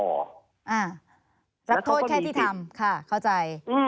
รับโทษแค่ที่ทำค่ะเข้าใจ